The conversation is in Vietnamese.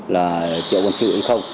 là triệu quân sự hay không